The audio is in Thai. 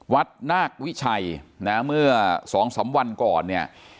นาควิชัยนะเมื่อสองสามวันก่อนเนี่ย